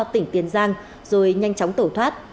tỉnh tiền giang rồi nhanh chóng tẩu thoát